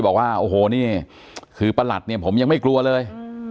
อ๋อเจ้าสีสุข่าวของสิ้นพอได้ด้วย